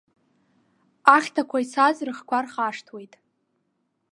Ахьҭақәа ицаз рыхқәа рхашҭуеит.